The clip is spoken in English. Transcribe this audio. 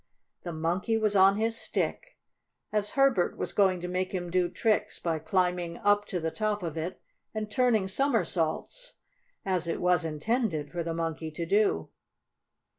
The Monkey was on his stick, as Herbert was going to make him do tricks by climbing up to the top of it, and turning somersaults, as it was intended for the Monkey to do.